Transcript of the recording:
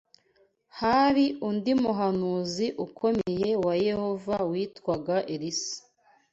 Hari undi muhanuzi ukomeye wa Yehova witwaga Elisa